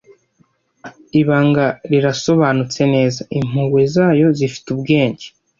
Ibanga rirasobanutse neza. Impuhwe zayo zifite ubwenge,